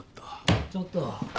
ちょっと！